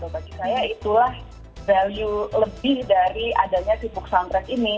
bagi saya itulah value lebih dari adanya di buku soundtrack ini